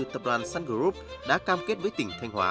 tập đoàn sun group đã cam kết với tỉnh thanh hóa